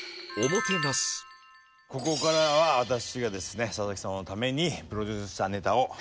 ここからは私がですね佐々木様のためにプロデュースしたネタを見て頂こうと。